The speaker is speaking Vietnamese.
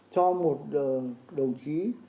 cho một đồng chí